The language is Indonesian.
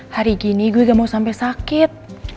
hari gini gue udah mau sampe sakit